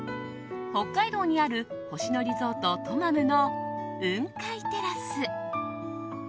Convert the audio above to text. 北海道にある星野リゾートトマムの雲海テラス。